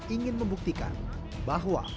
ingin membuktikan bahwa